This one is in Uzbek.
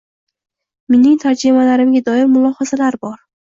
Mening tarjimalarimga doir mulohazalar bor.